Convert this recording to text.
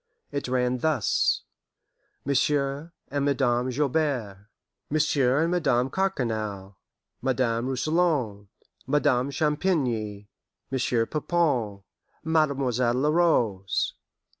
It ran thus: Monsieur and Madame Joubert. Monsieur and Madame Carcanal. Madame Rousillon. Madame Champigny. Monsieur Pipon. Mademoiselle La Rose.